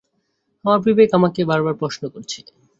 আমার বিবেক আমাকে বারবার প্রশ্ন করছে।